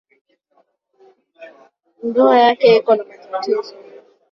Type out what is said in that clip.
Ndoa yake iko na matatizo.